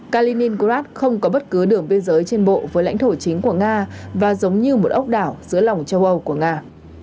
kaliningrad không có bất cứ đường biên giới trên bộ với lãnh thổ chính của nga và giống như một ốc đảo giữa lòng châu âu của nga